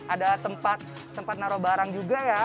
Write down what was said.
ada tempat naruh barang juga ya